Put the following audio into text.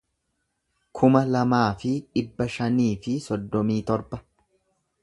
kuma lamaa fi dhibba shanii fi soddomii torba